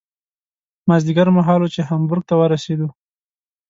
مازدیګر مهال و چې هامبورګ ته ورسېدو.